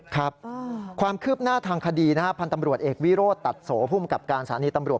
ครับความคืบหน้าทางคดีนะฮะพันธ์ตำรวจเอกวิโรธตัดโสภูมิกับการสถานีตำรวจ